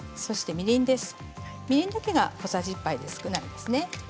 みりんだけが小さじ１杯で少ないですね。